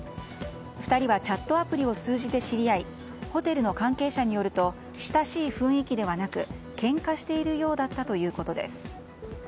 ２人はチャットアプリを通じて知り合いホテルの関係者によると親しい雰囲気ではなくけんかしているようだったということです。